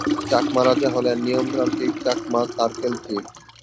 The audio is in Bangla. চাকমা রাজা হলেন নিয়মতান্ত্রিক চাকমা সার্কেল চীফ।